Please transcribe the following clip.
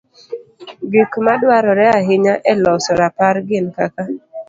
Gik ma dwarore ahinya e loso rapar gin kaka: